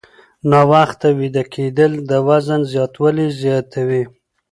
ناوخته ویده کېدل د وزن زیاتوالی زیاتوي.